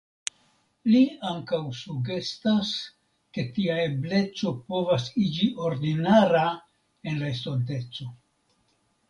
Li ankaŭ sugestas ke tia ebleco povas iĝi ordinara en la estonteco.